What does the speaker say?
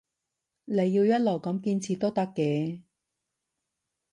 你要一路咁堅持都得嘅